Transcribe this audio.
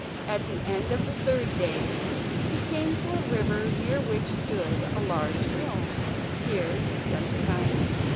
At the end of the third day he came to a river near which stood a large mill. Here he spent the night.